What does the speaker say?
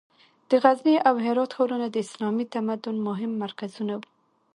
د غزني او هرات ښارونه د اسلامي تمدن مهم مرکزونه وو.